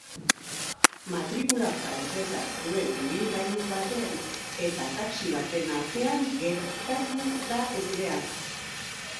Matrikula frantzesa zuen ibilgailu baten eta taxi baten artean geratatu da ezbeharra.